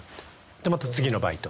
でまた次のバイト。